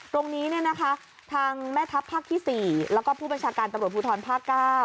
ตรงนี้ทางแม่ทัพภาคที่๔แล้วก็ผู้บัญชาการตำรวจภูทรภาค๙